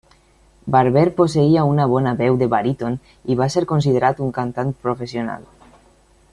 Barber posseïa una bona veu de baríton i va ser considerat un cantant professional.